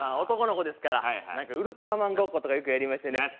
男の子ですからウルトラマンごっことかよくやりましたね。